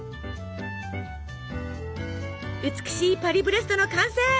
美しいパリブレストの完成！